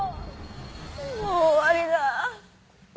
もう終わりだ。